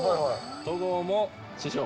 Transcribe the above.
戸郷も師匠。